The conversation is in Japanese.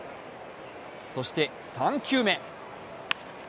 そして３球目。